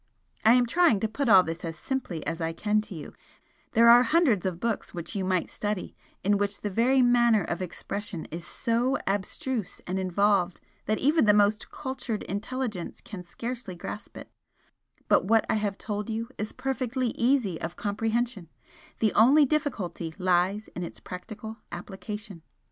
I am trying to put all this as simply as I can to you, there are hundreds of books which you might study, in which the very manner of expression is so abstruse and involved that even the most cultured intelligence can scarcely grasp it, but what I have told you is perfectly easy of comprehension, the only difficulty lies in its practical application.